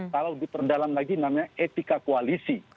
kalau diperdalam lagi namanya etika koalisi